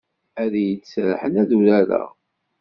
Ad iyi-d-serḥen ad urareɣ.